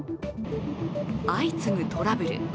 相次ぐトラブル。